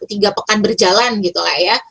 tiga pekan berjalan gitu lah ya